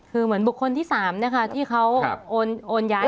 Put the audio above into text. คือเหมือนบุคคลที่๓นะคะที่เขาโอนย้าย